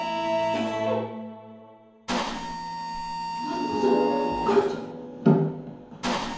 はっさお母ちゃん。